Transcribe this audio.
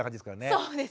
そうですね。